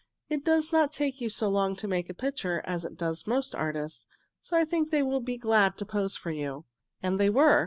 "It does not take you so long to make a picture as it does most artists, so I think they will be glad to pose for you." And they were.